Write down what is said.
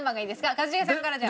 一茂さんからじゃあ。